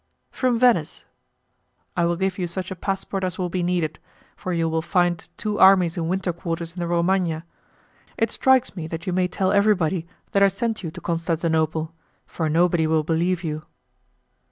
"From Venice." "I will give you such a passport as will be needed, for you will find two armies in winter quarters in the Romagna. It strikes me that you may tell everybody that I sent you to Constantinople, for nobody will believe you."